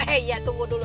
eh ya tunggu dulu